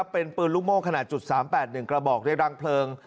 เป็นปืนลูกโม่ขนาด๓๘๑กระบอกในรังเพลิง